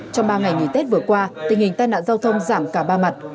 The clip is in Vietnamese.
trong ba ngày nghỉ tết vừa qua tình hình tai nạn giao thông giảm cả ba mặt